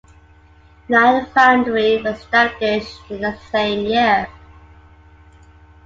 An iron foundry was established in the same year.